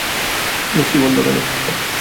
লোকটি বলল, কেন?